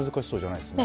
ないです。